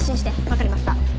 わかりました。